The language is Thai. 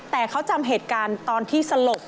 แต่เขาจำเหตุการณ์ตอนที่สลบ